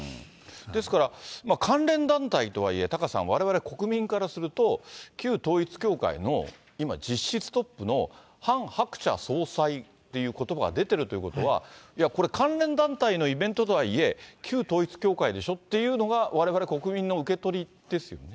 ですから、関連団体とはいえ、タカさん、われわれ国民からすると、旧統一教会の今、実質トップのハン・ハクチャ総裁ということばが出てるということは、これ、関連団体のイベントとはいえ、旧統一教会でしょっていうのが、われわれ国民の受け取りですよね。